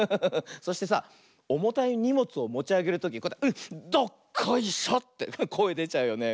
そしてさおもたいにもつをもちあげるとき「うっどっこいしょ！」ってこえでちゃうよね。